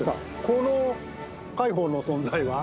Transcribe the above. この海堡の存在は？